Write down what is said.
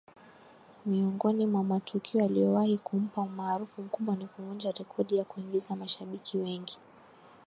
Miongoni mwa matukio yaliyowahi kumpa umaarufu mkubwa ni kuvunja rekodi ya kuingiza mashabiki wengi